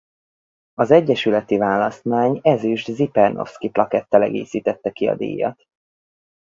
Az egyesületi választmány ezüst Zipernowsky-plakettel egészítette ki a díjat.